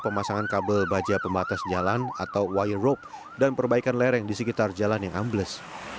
pemasangan kabel baja pembatas jalan atau wire rope dan perbaikan lereng di sekitar jalan yang ambles